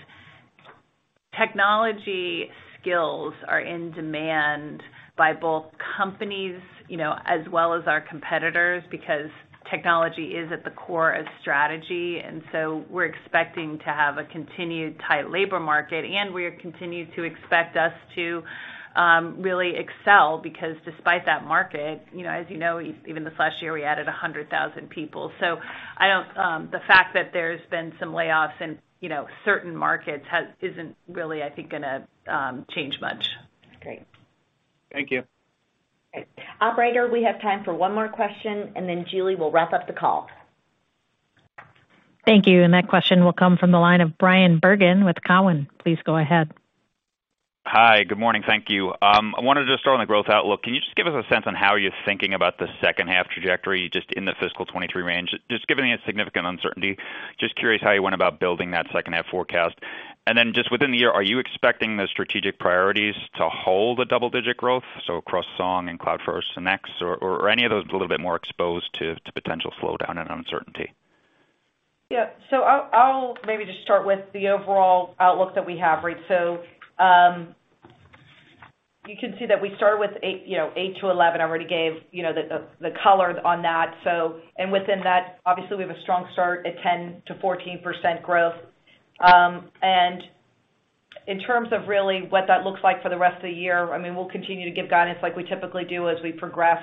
technology skills are in demand by both companies, you know, as well as our competitors, because technology is at the core of strategy. We're expecting to have a continued tight labor market, and we continue to expect us to really excel because despite that market, you know, as you know, even this last year, we added 100,000 people. I don't think the fact that there's been some layoffs in certain markets hasn't really, I think, gonna change much. Great. Thank you. Okay. Operator, we have time for one more question, and then Julie will wrap up the call. Thank you. That question will come from the line of Bryan Bergin with Cowen. Please go ahead. Hi. Good morning. Thank you. I wanted to start on the growth outlook. Can you just give us a sense on how you're thinking about the H2 trajectory just in the fiscal 2023 range? Just given the significant uncertainty, just curious how you went about building that H2 forecast. Then just within the year, are you expecting the strategic priorities to hold a double-digit growth, so across Song and Cloud for SNEX or any of those a little bit more exposed to potential slowdown and uncertainty? I'll maybe just start with the overall outlook that we have. Right? You can see that we started with 8%-11%. I already gave you know the color on that. Within that, obviously we have a strong start at 10%-14% growth. In terms of really what that looks like for the rest of the year, I mean, we'll continue to give guidance like we typically do as we progress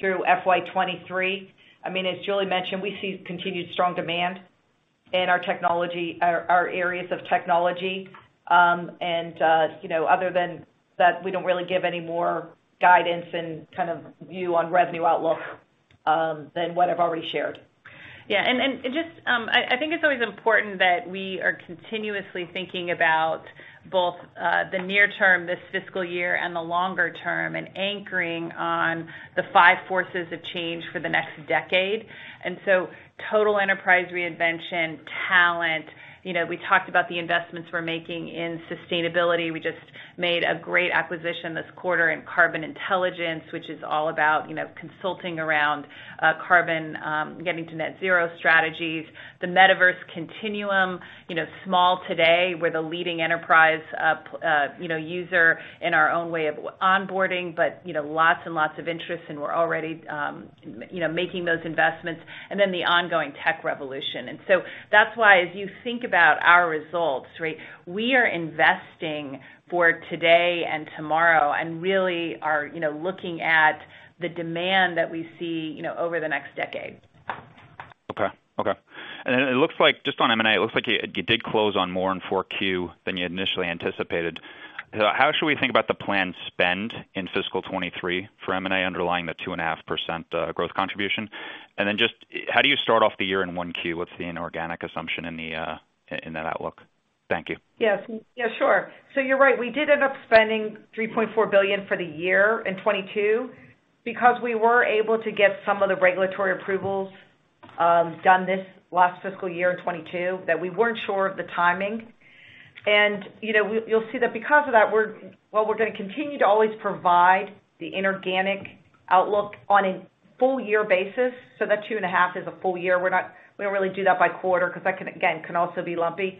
through FY 2023. I mean, as Julie mentioned, we see continued strong demand in our technology, our areas of technology. Other than that, you know, we don't really give any more guidance and kind of view on revenue outlook than what I've already shared. Yeah. Just, I think it's always important that we are continuously thinking about both, the near term, this fiscal year, and the longer term, and anchoring on the five forces of change for the next decade. Total enterprise reinvention, talent. You know, we talked about the investments we're making in sustainability. We just made a great acquisition this quarter in Carbon Intelligence, which is all about, you know, consulting around, carbon, getting to net zero strategies. The Metaverse Continuum, you know, small today. We're the leading enterprise, you know, user in our own way of onboarding, but, you know, lots and lots of interest and we're already, you know, making those investments. The ongoing tech revolution. That's why as you think about our results, right? We are investing for today and tomorrow and really are, you know, looking at the demand that we see, you know, over the next decade. Okay. It looks like just on M&A, it looks like you did close on more in 4Q than you initially anticipated. How should we think about the planned spend in fiscal 2023 for M&A underlying the 2.5% growth contribution? How do you start off the year in 1Q with the inorganic assumption in that outlook? Thank you. Yes. Yeah, sure. You're right. We did end up spending $3.4 billion for the year in 2022 because we were able to get some of the regulatory approvals done this last fiscal year in 2022 that we weren't sure of the timing. You know, you'll see that because of that, we're going to continue to always provide the inorganic outlook on a full year basis. That 2.5 is a full year. We don't really do that by quarter because that can also be lumpy.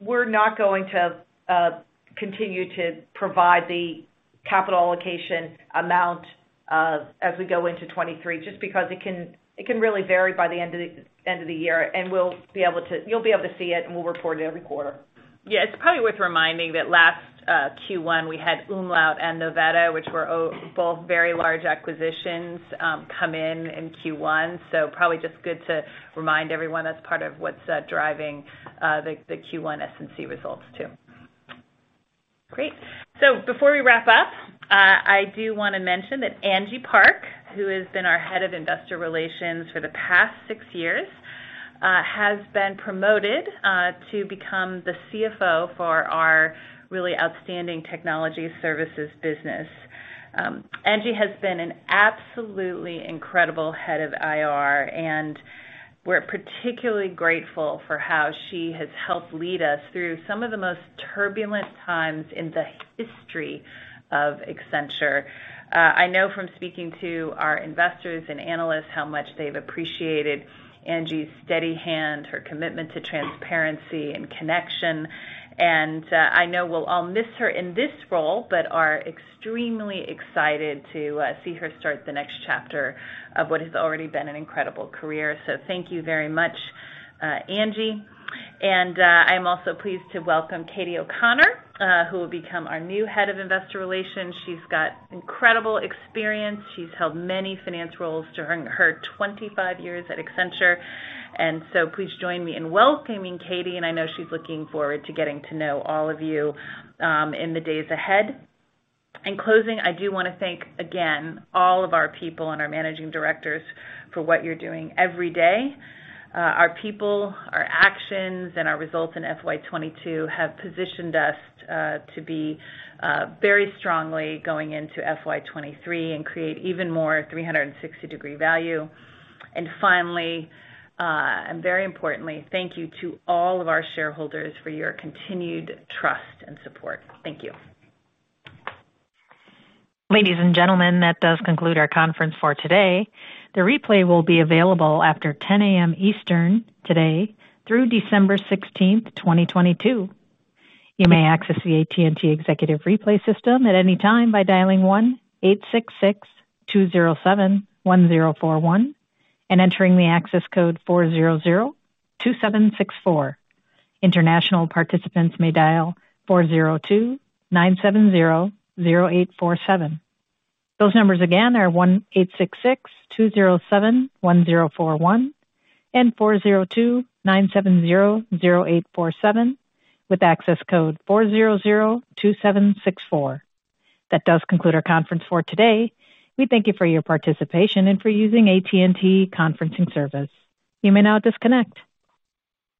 We're not going to continue to provide the capital allocation amount as we go into 2023 just because it can really vary by the end of the year. We'll be able to. You'll be able to see it and we'll report it every quarter. Yeah. It's probably worth reminding that last Q1 we had Umlaut and Novetta, which were both very large acquisitions, come in in Q1. Probably just good to remind everyone that's part of what's driving the Q1 S&C results too. Great. Before we wrap up, I do wanna mention that Angie Park, who has been our head of investor relations for the past six years, has been promoted to become the CFO for our really outstanding technology services business. Angie has been an absolutely incredible head of IR, and we're particularly grateful for how she has helped lead us through some of the most turbulent times in the history of Accenture. I know from speaking to our investors and analysts how much they've appreciated Angie's steady hand, her commitment to transparency and connection. I know we'll all miss her in this role, but are extremely excited to see her start the next chapter of what has already been an incredible career. Thank you very much, Angie. I'm also pleased to welcome Katie O'Connor, who will become our new head of investor relations. She's got incredible experience. She's held many finance roles during her 25 years at Accenture. Please join me in welcoming Katie, and I know she's looking forward to getting to know all of you, in the days ahead. In closing, I do want to thank again all of our people and our managing directors for what you're doing every day. Our people, our actions, and our results in FY 2022 have positioned us to be very strongly going into FY 2023 and create even more 360-degree value. Finally, and very importantly, thank you to all of our shareholders for your continued trust and support. Thank you. Ladies and gentlemen, that does conclude our conference for today. The replay will be available after 10 A.M. Eastern today through December 16, 2022. You may access the AT&T executive replay system at any time by dialing 1-866-207-1041 and entering the access code 4002764. International participants may dial 402-970-0847. Those numbers again are 1-866-207-1041 and 402-970-0847 with access code 4002764. That does conclude our conference for today. We thank you for your participation and for using AT&T conferencing service. You may now disconnect.